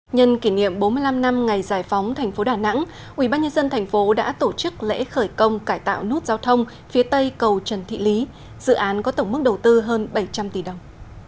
nhân kỷ niệm bốn mươi năm năm ngày giải phóng thành phố đà nẵng ubnd tp đã tổ chức lễ khởi công cải tạo nút giao thông phía tây cầu trần thị lý dự án có tổng mức đầu tư hơn bảy trăm linh tỷ đồng